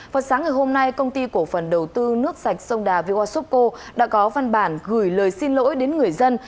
vào sáng ngày hôm nay công ty cổ phần đầu tư nước sạch sông đà vywasupco đã có văn bản gửi lời xin lỗi đến người dân